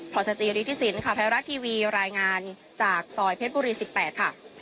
พศจริษฐศิลป์ค่ะไทยรัฐทีวีรายงานจากซอยเพชรบุรีสิบแปดค่ะ